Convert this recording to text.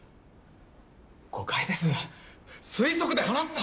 誤解です推測で話すな！